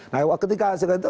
nah ketika sejak itu